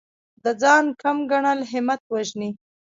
د ځان کم ګڼل همت وژني.